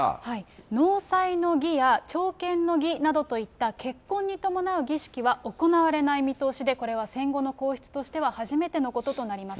納采の儀や朝見の儀などといった結婚に伴う儀式は行われない見通しで、これは戦後の皇室としては初めてのこととなります。